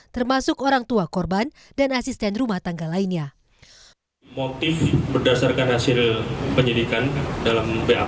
termasuk orang tua korban dan asisten rumah tangga lainnya